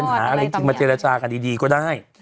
ถ้าเห็นปัญหาถึงที่มาเจรจากันดีก็ได้